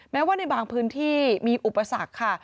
แม้ว่าในบางพื้นที่มีอุปสรรคค่ะ